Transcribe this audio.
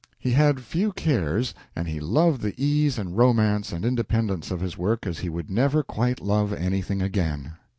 He had few cares, and he loved the ease and romance and independence of his work as he would never quite love anything again.